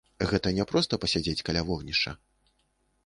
Гэта не проста пасядзець каля вогнішча.